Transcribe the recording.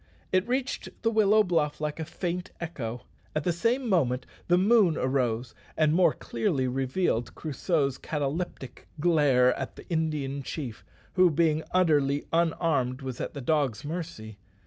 It reached the willow bluff like a faint echo. At the same moment the moon arose and more clearly revealed Crusoe's cataleptic glare at the Indian chief, who, being utterly unarmed, was at the dog's mercy.